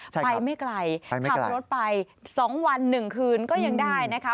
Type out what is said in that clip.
ไปไม่ไกลขับรถไป๒วัน๑คืนก็ยังได้นะคะ